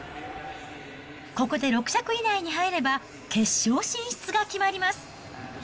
ここで６着以内に入れば、決勝進出が決まります。